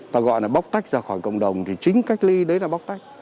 ta gọi là bóc tách ra khỏi cộng đồng thì chính cách ly đấy là bóc tách